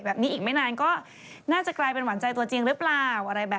แบบนี้อีกไม่นานก็กลายเป็นหวานใจตัวจริงหรือเปล่า